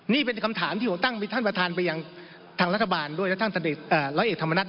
นี่เป็นคำถามที่ผมตั้งท่านประธานไปยังทางรัฐบาลด้วยและท่านร้อยเอกธรรมนัฐ